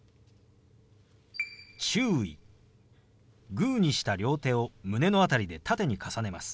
グーにした両手を胸の辺りで縦に重ねます。